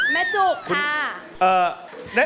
แม่จูกค่ะ